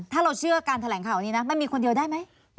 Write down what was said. ถ้าเราเชื่อการแถลงข่าวนี้นะมันมีคนเดียวได้ไหม